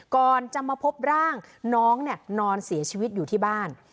ก่อนจะมาพบร่างน้องนอนเสียชีวิตอยู่ที่บ้าน